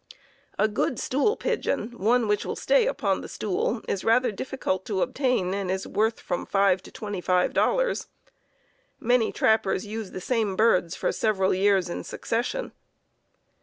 A good stool pigeon (one which will stay upon the stool) is rather difficult to obtain, and is worth from $5 to $25. Many trappers use the same birds for several years in succession.